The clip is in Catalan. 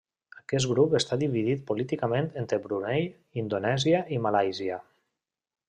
Aquest grup està dividit políticament entre Brunei, Indonèsia i Malàisia.